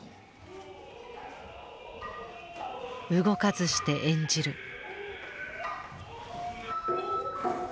動かずして演じる。